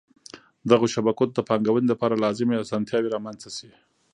دغو شبکو ته د پانګوني دپاره لازمی اسانتیاوي رامنځته شي.